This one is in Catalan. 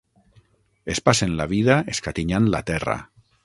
Es passen la vida escatinyant la terra.